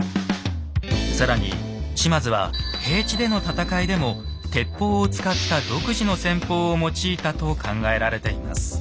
更に島津は平地での戦いでも鉄砲を使った独自の戦法を用いたと考えられています。